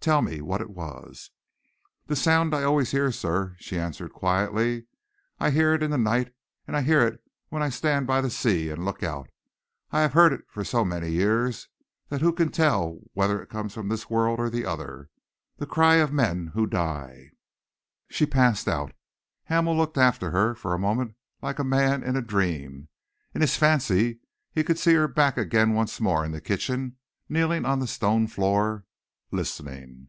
Tell me what it was." "The sound I always hear, sir," she answered quietly. "I hear it in the night, and I hear it when I stand by the sea and look out. I have heard it for so many years that who can tell whether it comes from this world or the other the cry of men who die!" She passed out. Hamel looked after her, for a moment, like a man in a dream. In his fancy he could see her back again once more in the kitchen, kneeling on the stone floor, listening!